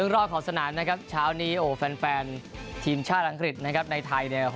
ร่อยขอสนามนะครับชาวนี้แฟนทีมชาติอังกฤษในไทยเนี่ย